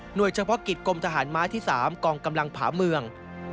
โดยเฉพาะกิจกรมทหารม้าที่๓กองกำลังผาเมือง